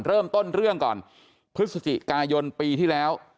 เริ่มต้นเรื่องก่อนพฤศจิกายนปีที่แล้ว